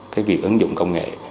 cái việc ứng dụng công nghệ